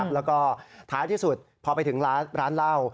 แล้วก็ท้ายที่สุดพอไปถึงร้านเหล้า